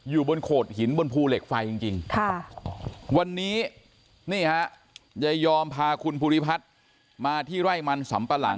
อยู่บนโขดหินบนภูเหล็กไฟจริงวันนี้นี่ฮะยายอมพาคุณภูริพัฒน์มาที่ไร่มันสำปะหลัง